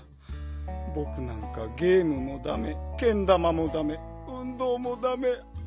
ぼくなんかゲームもダメけん玉もダメうんどうもダメ。